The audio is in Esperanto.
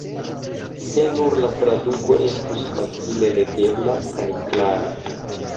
Se nur la traduko estus facile legebla kaj klara.